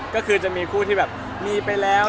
ก็คือจะมีคู่ที่แบบมีไปแล้ว